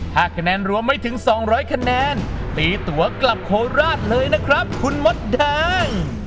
ถ้าคะแนนรวมไม่ถึง๒๐๐คะแนนตีตัวกลับโคราชเลยนะครับคุณมดแดง